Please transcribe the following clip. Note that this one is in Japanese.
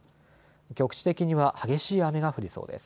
局地的には激しい雨が降りそうです。